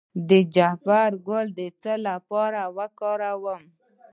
د جعفری ګل د څه لپاره وکاروم؟